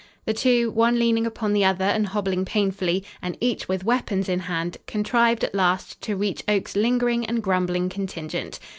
The two, one leaning upon the other and hobbling painfully, and each with weapons in hand, contrived, at last, to reach Oak's lingering and grumbling contingent.